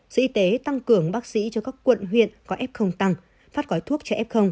sở y tế tăng cường bác sĩ cho các quận huyện có f tăng phát gói thuốc cho f